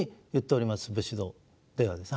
武士道ではですね。